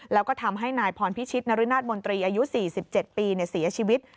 แล้วก็ทำให้นายพรพิชิตนรนาศมนตรีอายุ๔๗ปีเสียชีวิต